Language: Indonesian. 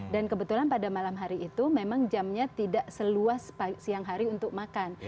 dan kebetulan pada malam hari itu memang jamnya tidak seluas siang hari untuk makan